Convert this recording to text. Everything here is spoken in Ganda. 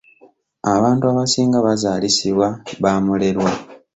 Abantu abasinga bazaalisibwa ba mulerwa.